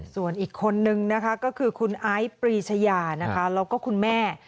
ส่วนอีกคนนึงนะคะก็คือคุณไอซ์ปรีชยานะคะแล้วก็คุณแม่